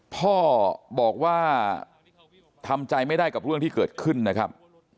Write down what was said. พ่อบอกว่าทำใจไม่ได้กับเรื่องที่เกิดขึ้นนะครับ